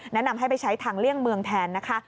แนะนำให้ไปใช้ทางเลี่ยงเมืองแทนนะคะ